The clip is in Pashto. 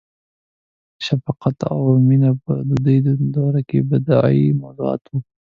• شفقت او مینه په بدوي دوره کې بدیعي موضوعات وو.